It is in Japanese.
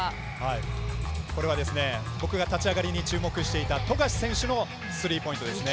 僕が立ち上がりに注目していた富樫選手のスリーポイントですね。